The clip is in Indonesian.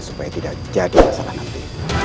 supaya tidak jadi masalah nanti